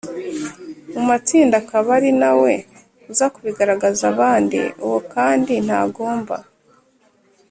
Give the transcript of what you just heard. mu matsinda akaba ari na we uza kubigaragariza abandi. Uwo kandi ntagomba